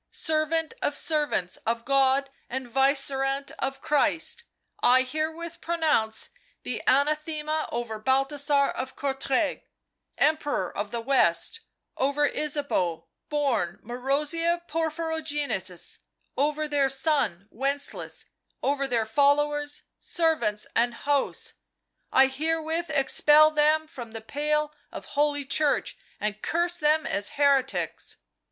servant of servants of God and Vicegerent of Christ, I herewith pronounce the anathema over Balthasar of Courtrai, Emperor of the West, over Ysabeau, born Marozia Porphyro genitus, over their son, Wencelaus, over their followers, servants and hosts ! I herewith expel them from the pale of Holy Church, and curse them as heretics